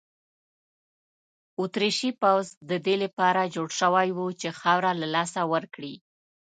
اتریشي پوځ د دې لپاره جوړ شوی وو چې خاوره له لاسه ورکړي.